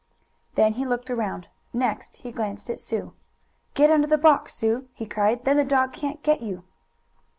Then he looked around. Next he glanced at Sue. "Get under the box, Sue!" he cried. "Then the dog can't get you!"